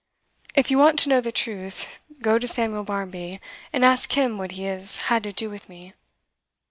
If you want to know the truth, go to Samuel Barmby, and ask him what he has had to do with me.